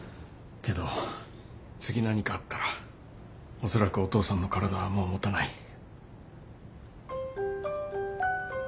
けど次何かあったら恐らくお父さんの体はもうもたない。